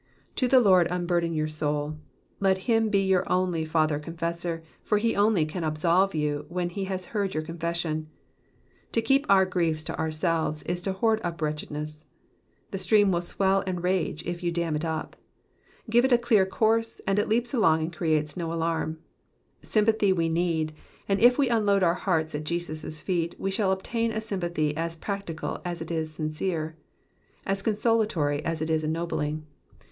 To the Lord unburden your soul ; let him be your only father confessor, for he only can absolve you when he has heard your confession. To keep our griefs to ourselves is to hoard up wretchedness. The stream will swell and rage if you Digitized by VjOOQIC 118 EXPOSITIONS OF THE PSALMS. dam it up : give it a clear course, and it leaps along and creates no alarm. Sympathy we need, and if we unload our hearts at Jesus^ feet, we shall obtain a sympathy as practical as it is sincere, as consolatory as it is ennobling.